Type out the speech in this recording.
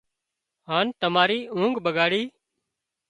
هان تماري اونگھ ٻڳاڙِي